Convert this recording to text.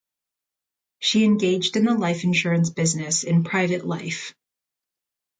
She engaged in the life insurance business in private life.